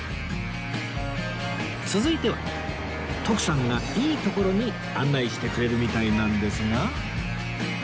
続いては徳さんがいいところに案内してくれるみたいなんですが